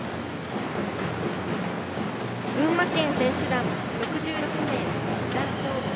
群馬県選手団、６６名。